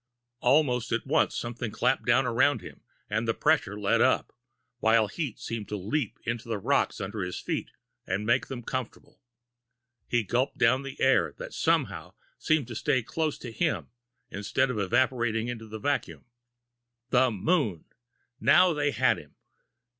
Almost at once, something clapped down around him, and the pressure let up, while heat seemed to leap into the rocks under his feet and make them comfortable. He gulped down the air that somehow seemed to stay close to him, instead of evaporating into the vacuum. The moon! Now they had him!